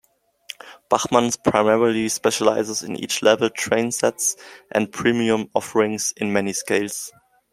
Bachmann primarily specializes in entry level train sets, and premium offerings in many scales.